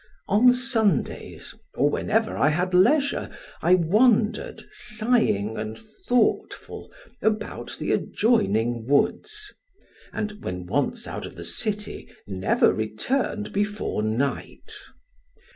On Sundays, or whenever I had leisure, I wandered, sighing and thoughtful, about the adjoining woods, and when once out of the city never returned before night.